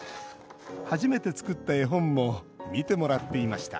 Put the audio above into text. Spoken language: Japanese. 初めて作った絵本も見てもらっていました